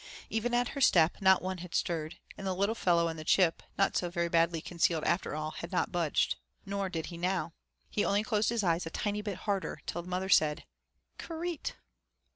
Even at her step not one had stirred, and the little fellow on the chip, not so very badly concealed after all, had not budged, nor did he now; he only closed his eyes a tiny little bit harder, till the mother said: 'K reet!'